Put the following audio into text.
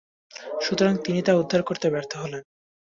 সুতরাং তিনি তা উদ্ধার করতে ব্যর্থ হলেন।